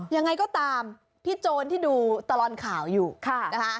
ยังไงก็ตามพี่โจรที่ดูตลอดข่าวอยู่นะคะ